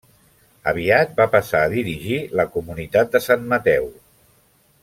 Aviat va passar a dirigir la comunitat de Sant Mateu.